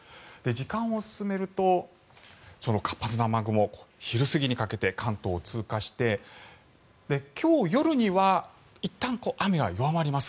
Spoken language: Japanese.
時間を進めるとその活発な雨雲が昼過ぎにかけて関東を通過して今日夜にはいったん雨は弱まります。